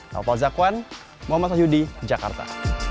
saya paul zakwan muhammad sajudi jakarta